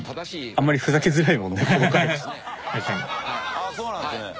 あっそうなんですね。